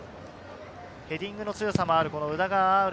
ヘディングの強さもある宇田川侑